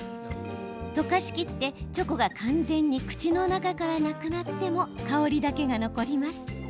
溶かしきって、チョコが完全に口の中からなくなっても香りだけが残ります。